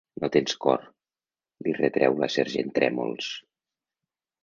No tens cor! —li retreu la sergent Trèmols.